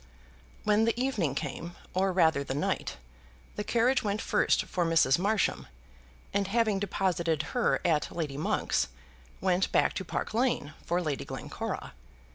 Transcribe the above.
When the evening came, or rather the night, the carriage went first for Mrs. Marsham, and having deposited her at Lady Monk's, went back to Park Lane for Lady Glencora.